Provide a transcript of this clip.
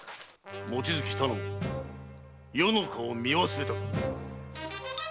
望月頼母余の顔を見忘れたか。